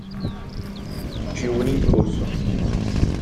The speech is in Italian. Giuni Russo.